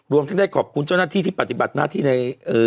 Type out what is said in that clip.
ทั้งได้ขอบคุณเจ้าหน้าที่ที่ปฏิบัติหน้าที่ใน